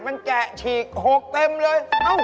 มันแกะฉีก๖เต็มเลย